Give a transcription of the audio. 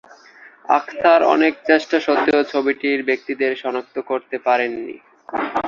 আখতার অনেক চেষ্টা সত্ত্বেও ছবিটির ব্যক্তিদের শনাক্ত করতে পারেননি।